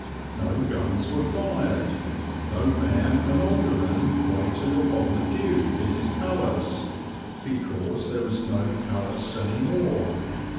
No guns were fired. No mayor and aldermen waited upon the Duke in his palace, because there was no palace any more.